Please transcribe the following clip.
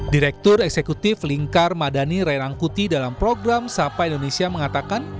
direktur eksekutif lingkar madani rai rangkuti dalam program sapa indonesia mengatakan